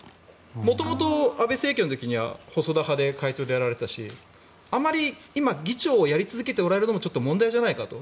元々、安倍政権の時には細田派で会長をやられていたしあまり今議長をやり続けておられるのもちょっと問題じゃないかと。